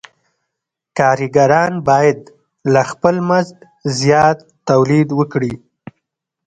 کارګران باید له خپل مزد زیات تولید وکړي